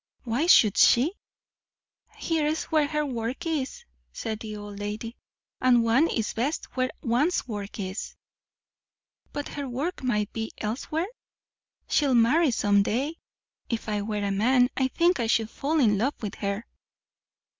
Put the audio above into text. "Why should she?" "Here's where her work is," said the old lady; "and one is best where one's work is." "But her work might be elsewhere? She'll marry some day. If I were a man, I think I should fall in love with her."